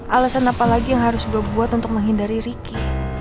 alasan apa lagi yang harus gue buat untuk menghindari ricky